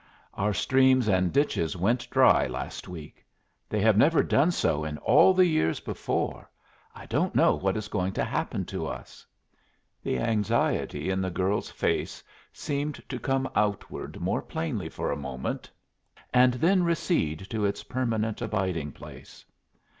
Our streams and ditches went dry last week. They have never done so in all the years before. I don't know what is going to happen to us." The anxiety in the girl's face seemed to come outward more plainly for a moment, and then recede to its permanent abiding place.